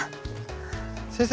先生。